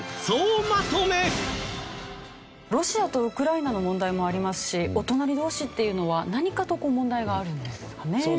ロシアとウクライナの問題もありますしお隣同士っていうのは何かと問題があるんですかね。